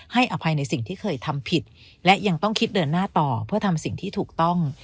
อภัยในสิ่งที่เคยทำผิดและยังต้องคิดเดินหน้าต่อเพื่อทำสิ่งที่ถูกต้อง